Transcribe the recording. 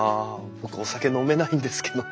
僕お酒飲めないんですけどね。